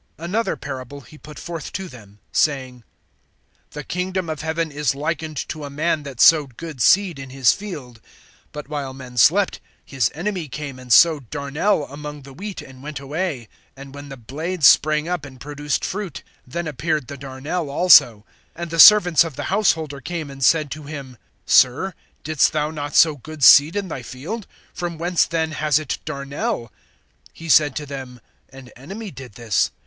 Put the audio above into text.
(24)Another parable he put forth to them, saying: The kingdom of heaven is likened to a man that sowed good seed in his field. (25)But while men slept, his enemy came and sowed darnel among the wheat, and went away. (26)And when the blade sprang up and produced fruit, then appeared the darnel also. (27)And the servants of the householder came and said to him: Sir, didst thou not sow good seed in thy field? From whence then has it darnel? (28)He said to them: An enemy did this.